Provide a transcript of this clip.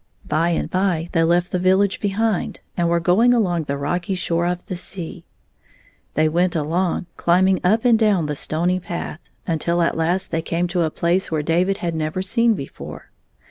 By and by they left the village behind, and were going along the rocky shore of the sea. They went along, climbing up and down the stony path, until at last they came to a place where David had never been before.